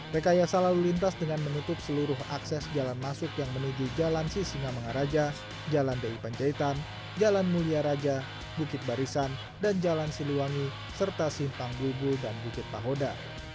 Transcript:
rekayasa lalu lintas dengan menutup seluruh akses jalan masuk yang menuju jalan sisinga mengaraja jalan di panjaitan jalan mulia raja bukit barisan dan jalan siliwangi serta simpang bubul dan bukit pahoda